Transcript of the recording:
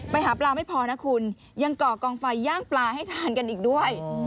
ไปหาปลาไม่พอนะคุณยังก่อกองไฟย่างปลาให้ทานกันอีกด้วย